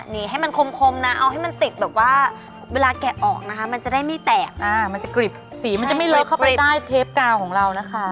นี่ให้มันคมนะเอาให้มันติดแบบว่าเวลาแกะออกนะคะมันจะได้ไม่แตกมันจะกริบสีมันจะไม่เลิกเข้าไปใต้เทปกาวของเรานะคะ